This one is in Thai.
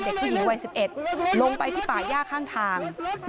เด็กผู้หญิงวัย๑๑ลงไปที่ป่าย่าข้างทาง